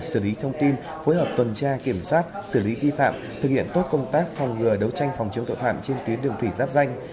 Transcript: xử lý thông tin phối hợp tuần tra kiểm soát xử lý vi phạm thực hiện tốt công tác phòng ngừa đấu tranh phòng chống tội phạm trên tuyến đường thủy giáp danh